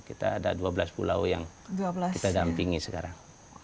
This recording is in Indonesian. kita ada dua belas pulau yang kita dampingi sekarang